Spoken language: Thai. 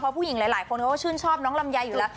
ผู้หญิงหลายคนเขาก็ชื่นชอบน้องลำไยอยู่แล้ว